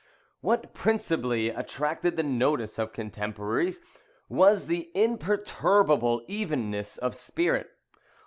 What principally attracted the notice of contemporaries, was the imperturbable evenness of his spirit.